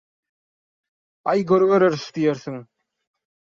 «Aý, görübereris» diýersiň.